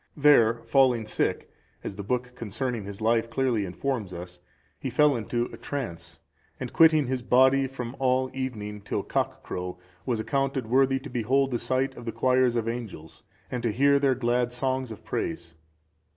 There, falling sick, as the book concerning his life clearly informs us, he fell into a trance, and quitting his body from the evening till cockcrow, he was accounted worthy to behold the sight of the choirs of angels, and to hear their glad songs of praise.